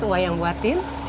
wah yang buatin